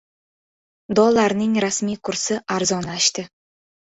Dollarning rasmiy kursi arzonlashdi